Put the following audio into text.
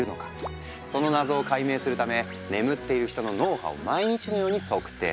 その謎を解明するため眠っている人の脳波を毎日のように測定。